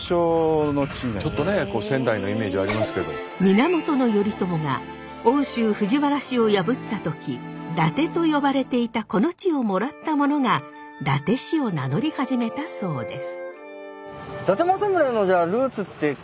源頼朝が奥州藤原氏を破った時伊達と呼ばれていたこの地をもらった者が伊達氏を名乗り始めたそうです。